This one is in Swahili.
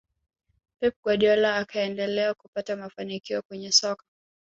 pep guardiola akaendelea kupata mafanikio kwenye soka